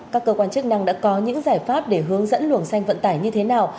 các cơ quan chức năng đã có những giải pháp để hướng dẫn luồng xanh vận tải như thế nào